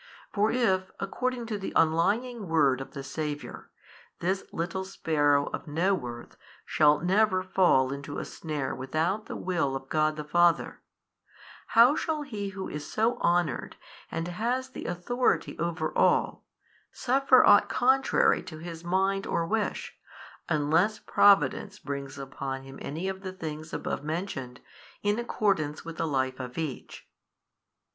For if, according to the unlying word of the Saviour, this little sparrow of no worth shall never fall into a snare without the Will of God the Father, how shall he who is so honoured and has the authority over all, suffer ought contrary to his mind or wish, unless Providence brings upon him any of the things above mentioned in accordance with the life of each?